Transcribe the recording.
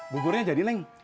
buburnya jadi neng